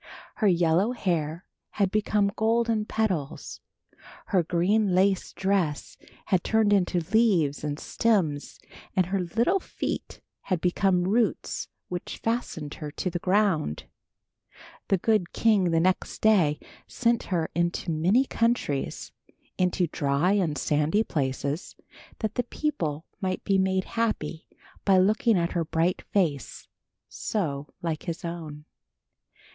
Her yellow hair had become golden petals, her green lace dress had turned into leaves and stems, and her little feet had become roots which fastened her to the ground. The good king the next day sent her into many countries, into dry and sandy places, that the people might be made happy by looking at her bright face, so like his own.